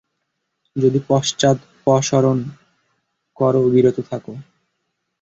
যদি পশ্চাদপসরণ কর ও বিরত থাক।